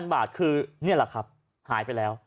บาทคือนี่แหละครับหายไปแล้ว